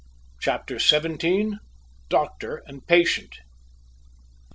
CHAPTER SEVENTEEN. DOCTOR AND PATIENT.